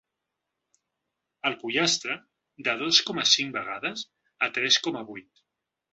El pollastre, de dos coma cinc vegades a tres coma vuit.